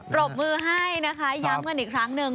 รบมือให้นะคะย้ำกันอีกครั้งหนึ่ง